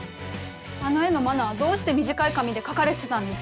あの絵の真菜はどうして短い髪で描かれてたんです？